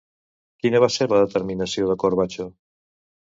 Quina va ser la determinació de Corbacho?